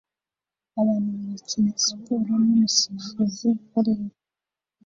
Abantu bakina siporo numusifuzi bareba